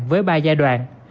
với ba giai đoạn